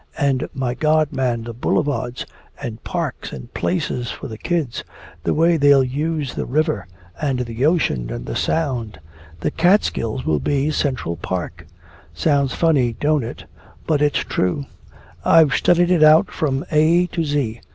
And, my God, man, the boulevards and parks and places for the kids! The way they'll use the River and the ocean and the Sound! The Catskills will be Central Park! Sounds funny, don't it but it's true. I've studied it out from A to Z.